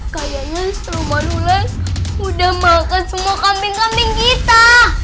kayanya siluman ular udah makan semua kambing kambing kita